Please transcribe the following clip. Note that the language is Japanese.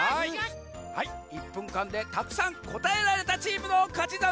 はい１ぷんかんでたくさんこたえられたチームのかちざんす！